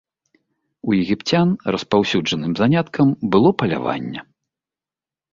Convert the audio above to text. У егіпцян распаўсюджаным заняткам было паляванне.